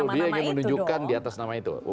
dia ingin menunjukkan di atas nama itu